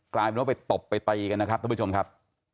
กลายเป็นว่าไปตบไปตีกันนะครับท่านผู้ชมครับ